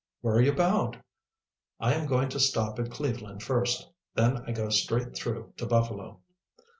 "Where are you bound?" "I am going to stop at Cleveland first. Then I go straight through to Buffalo."